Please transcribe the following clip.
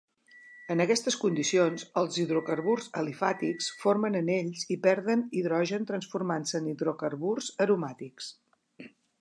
En aquestes condicions, els hidrocarburs alifàtics formen anells i perden hidrogen transformant-se en hidrocarburs aromàtics.